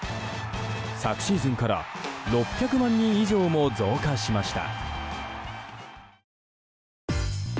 昨シーズンから６００万人以上も増加しました。